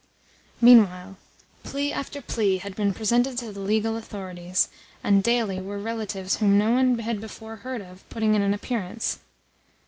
Meanwhile, plea after plea had been presented to the legal authorities, and daily were relatives whom no one had before heard of putting in an appearance.